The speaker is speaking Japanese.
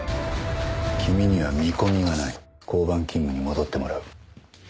「君には見込みがない」「交番勤務に戻ってもらう」